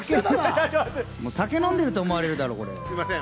酒飲んでると思われるだろう、これ。